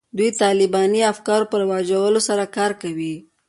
دوی د طالباني افکارو په رواجولو سره کار کوي